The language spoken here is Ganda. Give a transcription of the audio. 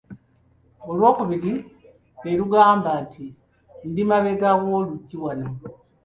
Olw'okubiri ne lugamba nti, ndi mabega w'oluggi wano.